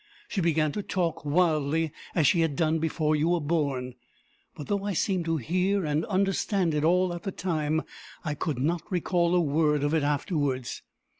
She began to talk wildly as she had done before you were born, but, though I seemed to hear and understand it all at the time, I could not recall a word of it afterwards.